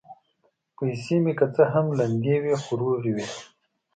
پیسې مې که څه هم لندې وې، خو روغې وې.